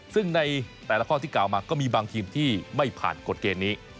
ซึ่งในแต่ละข้อที่กล่าวมาก็มีบางทีมที่ไม่ผ่านกฎเกณฑ์นี้